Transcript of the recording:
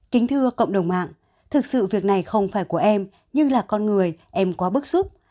kính thưa cộng đồng mạng thực sự việc này không phải của em nhưng là con người em quá bức xúc